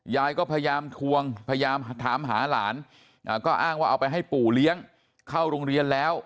ยายก็พยายามทวงพยายามถามหาหลานก็อ้างว่าเอาไปให้ปู่เลี้ยงเข้าโรงเรียนแล้ว